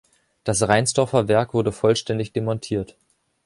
Das Reinsdorfer Werk wurde vollständig demontiert.